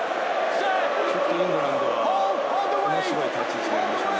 ちょっとイングランドは面白い立ち位置ですね。